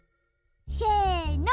せの！